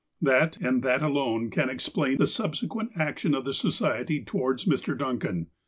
That, and that alone, can explain the subsequent action of the Society towards Mr. Duncan.